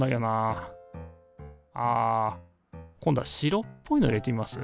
あ今度は白っぽいの入れてみます？